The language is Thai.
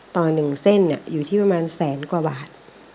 ต่อ๑เส้นอยู่ที่ประมาณแสนกว่าบาท